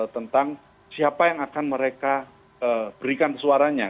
tentang siapa yang akan mereka berikan suaranya